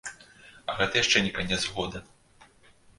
А гэта яшчэ не канец года.